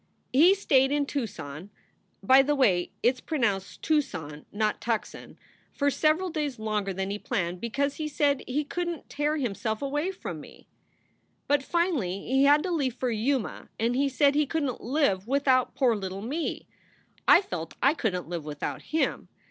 He stayed in Tucson (by the way, it is pronounced tooson, not tuckson) for several days longer than he planned because he said he couldent tear himself away from me but finally he had to leave for Yuma and he said he couldent live without poor little me. I felt I couldent live without him.